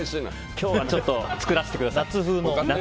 今日はちょっと作らせてください。